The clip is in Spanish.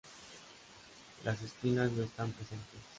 Las espinas no están presentes.